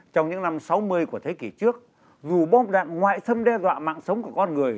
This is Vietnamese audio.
trong những năm sáu mươi của thế kỷ trước dù bom đạn ngoại xâm đe dọa mạng sống của con người